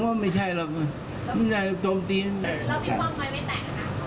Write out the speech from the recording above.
แล้วมิพี่มายหัวไม่แต่